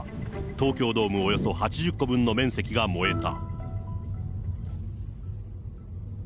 東京ドームおよそ８０個分の面積が燃えた。